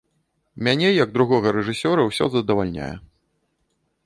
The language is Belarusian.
Мяне, як другога рэжысёра ўсё задавальняе.